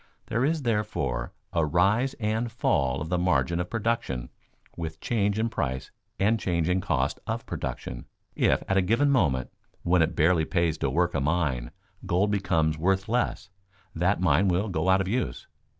There is, therefore, a rise and fall of the margin of production with change in price and change in cost of production. If at a given moment, when it barely pays to work a mine, gold becomes worth less, that mine will go out of use.